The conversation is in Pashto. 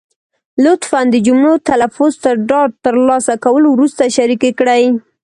لطفا د جملو تلفظ تر ډاډ تر لاسه کولو وروسته شریکې کړئ.